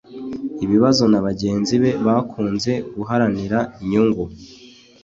ibibazo na bagenzi be bakunze guharanira inyungu